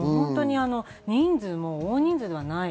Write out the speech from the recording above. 人数も大人数ではない。